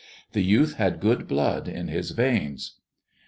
The youth had good blood in his veins.